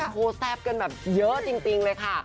โทรแซ่บเยอะจริงเลยค่ะ